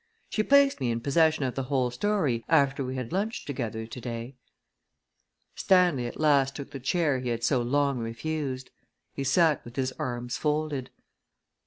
She placed me in possession of the whole story after we had lunched together to day." Stanley at last took the chair he had so long refused. He sat with his arms folded.